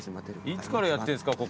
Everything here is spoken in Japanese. いつからやってんですか？